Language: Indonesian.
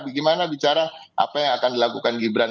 bagaimana bicara apa yang akan dilakukan gibran